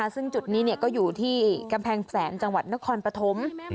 ซึ่งจุดนี้ก็อยู่ที่กำแพงแสนจังหวัดนครปฐม